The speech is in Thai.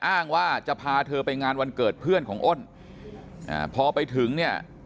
อ้างว่าจะพาเธอไปงานวันเกิดเพื่อนของอ้นอ่าพอไปถึงเนี่ย